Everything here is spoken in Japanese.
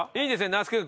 那須君。